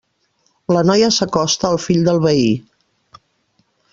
La noia s'acosta al fill del veí.